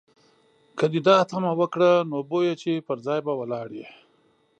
که دې دا تمه وکړه، نو بویه چې پر ځای به ولاړ یې.